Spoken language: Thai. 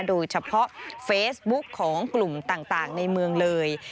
โดยเฉพาะเฟซบุ๊กของกลุ่มต่างในเมืองเลย